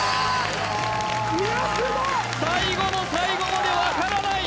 いやすごい最後の最後まで分からない